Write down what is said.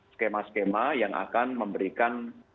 skema skema yang akan memberikan